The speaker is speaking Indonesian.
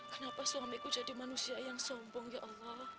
kenapa suamiku jadi manusia yang sombong ya allah